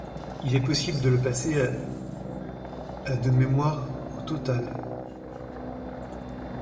Il est possible de le passer à de mémoire au total.